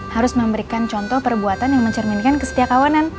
harus memberikan contoh perbuatan yang mencerminkan kesetia kawanan